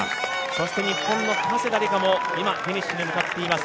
そして日本の加世田梨花も今フィニッシュに向かっています。